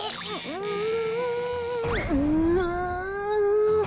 うん。